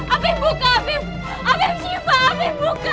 amin buka amin amin syifa amin buka